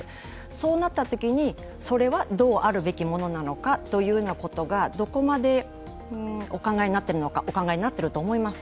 そうなったときにそれはどうあるべきものなのかというようなことが、どこまでお考えになっているのか、お考えになっていると思います。